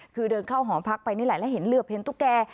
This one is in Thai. คือเดินเข้าหอพักไปนี่แหละแล้วเห็นเหลือบเห็นตุ๊กแก่